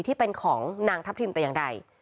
ที่เป็นของนางทัพทิมแต่อย่างใด